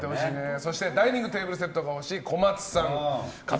そしてダイニングテーブルセットがほしい小松さん家族。